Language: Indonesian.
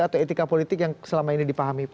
atau etika politik yang selama ini dipahami